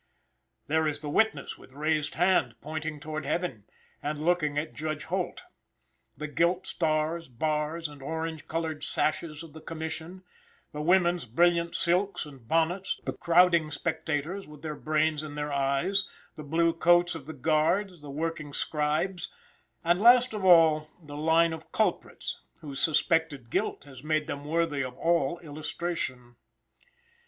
There is the witness with raised hand, pointing toward heaven, and looking at Judge Holt. The gilt stars, bars, and orange colored sashes of the commission; the women's brilliant silks and bonnets; the crowding spectators, with their brains in their eyes; the blue coats of the guards; the working scribes; and last of all the line of culprits, whose suspected guilt has made them worthy of all illustration.